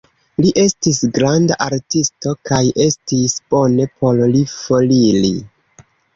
Li estis granda artisto, kaj estis bone por li foriri.